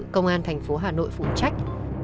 công an thành phố hà nội phụ trách